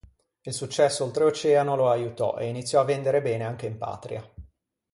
Il successo oltreoceano lo aiutò e iniziò a vendere bene anche in patria.